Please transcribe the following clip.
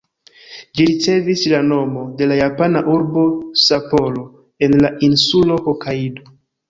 Ĝi ricevis la nomo de la japana urbo Sapporo, en la insulo Hokajdo.